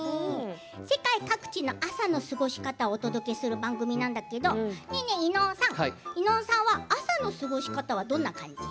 世界各地の朝の過ごし方をお届けする番組なんだけどねえねえ、伊野尾さん伊野尾さんは朝の過ごし方はどんな感じ？